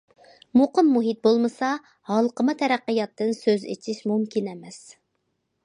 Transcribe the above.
مۇقىم مۇھىت بولمىسا، ھالقىما تەرەققىياتتىن سۆز ئېچىش مۇمكىن ئەمەس.